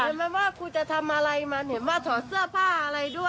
เห็นไหมว่ากูจะทำอะไรมาเห็นว่าถอดเสื้อผ้าอะไรด้วย